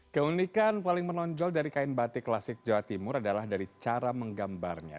keunikan paling menonjol dari kain batik klasik jawa timur adalah dari cara menggambarnya